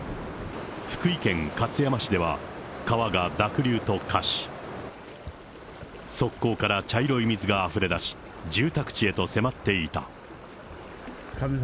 福井県勝山市では、川が濁流と化し、側溝から茶色い水があふれ出し、住宅地へと迫っていた。